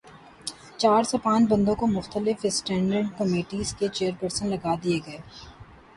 چار سے پانچ بندوں کو مختلف اسٹینڈنگ کمیٹیز کے چیئر پرسن لگادیے گئے ہیں۔